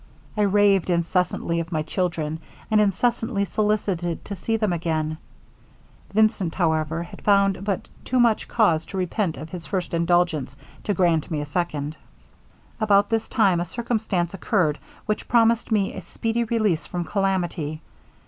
I raved incessantly of my children, and incessantly solicited to see them again Vincent, however, had found but too much cause to repent of his first indulgence, to grant me a second. 'About this time a circumstance occurred which promised me a speedy release from calamity.